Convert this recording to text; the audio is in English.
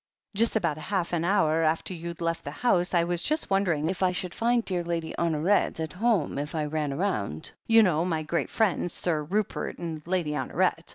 "Just about half an hour after you'd left the house, I was just wondering if I should find dear Lady Hon or et at home if I ran rotmd — ^you know my great friends, Sir Rupert and Lady Honoret.